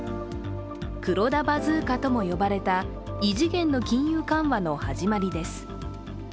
黒田バズーカとも呼ばれた異次元の金融緩和の始まりです。